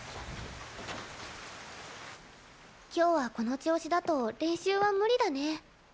今日はこの調子だと練習は無理だね。